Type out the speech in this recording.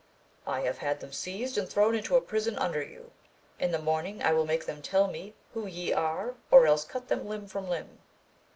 I have had them seized and throvm into a prison under you ; in the morning I will make them tell me who ye are or else cut them limb from limb.